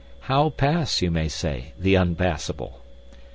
How pass, you may say, the unpassable?